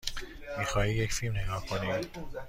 می خواهی یک فیلم نگاه کنی؟